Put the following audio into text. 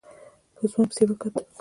په ځوان پسې يې وکتل.